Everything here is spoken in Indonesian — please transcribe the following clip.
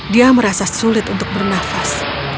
dia merasa sulit untuk bernafas